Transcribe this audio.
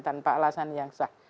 tanpa alasan yang sah